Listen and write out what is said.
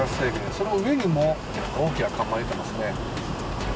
その上にも大きな看板が出てますね。